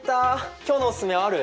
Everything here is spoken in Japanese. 今日のオススメある？